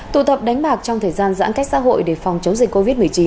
tụ tập đánh bạc trong thời gian giãn cách xã hội để phòng chống dịch covid một mươi chín